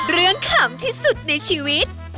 เรื่องขำที่สุดในชีวิต